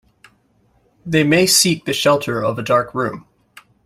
They may seek the shelter of a dark room.